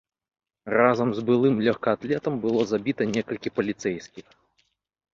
Разам з былым лёгкаатлетам было забіта некалькі паліцэйскіх.